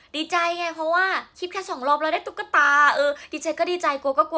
ดีใจไงเพราะว่า